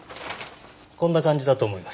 こんな感じだと思います。